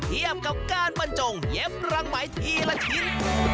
เทียบกับการบรรจงเย็บรังไหมทีละชิ้น